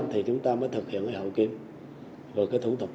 thì chúng ta mới thực hiện cái hậu kiếm và cái thủ tục